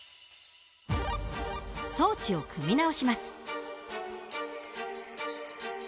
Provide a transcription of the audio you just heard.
装置を組み直します。